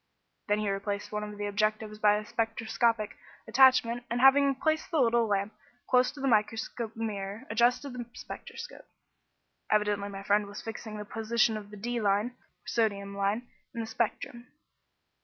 Then he replaced one of the objectives by a spectroscopic attachment, and having placed the little lamp close to the microscope mirror, adjusted the spectroscope. Evidently my friend was fixing the position of the "D" line (or sodium line) in the spectrum.